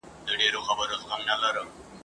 او خوندي ارزښتونه نه دي ور په برخه کړي